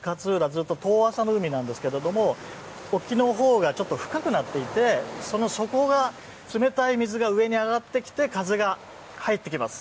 ずっと遠浅の海なんですけれど沖のほうが深くなっていて冷たい水が上に上がってきて風が入ってきます。